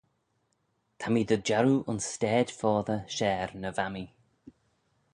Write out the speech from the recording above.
Ta mee dy jarroo ayns stayd foddey share na va mee.